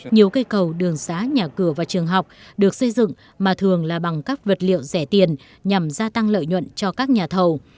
nhiều cây cầu đường xá nhà cửa và trường học được xây dựng mà thường là bằng các vật liệu rẻ tiền nhằm gia tăng lợi nhuận cho các nhà thầu